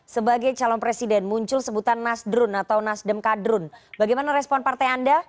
sebagai calon presiden muncul sebutan nasdrun atau nasdem kadrun bagaimana respon partai anda